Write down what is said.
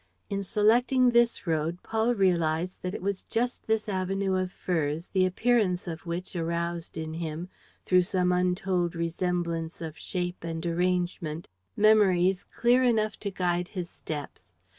In selecting this road, Paul realized that it was just this avenue of firs the appearance of which aroused in him, through some untold resemblance of shape and arrangement, memories clear enough to guide his steps.